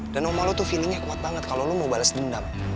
dan oma lu tuh feelingnya kuat banget kalo lu mau bales dendam